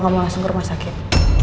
ngomong langsung ke rumah sakit